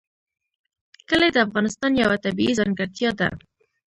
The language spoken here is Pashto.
کلي د افغانستان یوه طبیعي ځانګړتیا ده.